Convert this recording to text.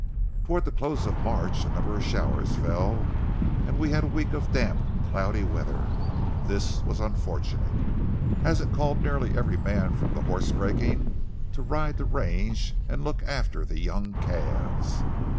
Towards the close of March a number of showers fell, and we had a week of damp, cloudy weather. This was unfortunate, as it called nearly every man from the horse breaking to ride the range and look after the young calves.